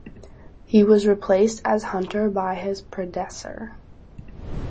He was replaced as Hunter by his predecessor.